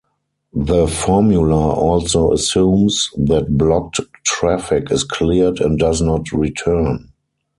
The formula also assumes that blocked traffic is cleared and does not return.